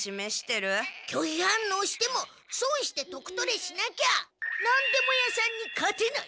拒否反応しても「損して得とれ」しなきゃなんでも屋さんに勝てない。